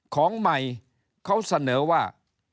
ของใหม่เขาเสนอว่า